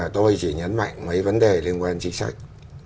tôi chỉ nhấn mạnh mấy vấn đề liên quan chính sách